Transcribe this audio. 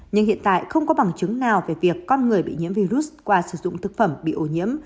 nhưng hiện tại không có bằng chứng nào về việc con người bị nhiễm virus qua sử dụng thực phẩm bị ô nhiễm